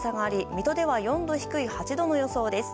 水戸では４度低い８度の予想です。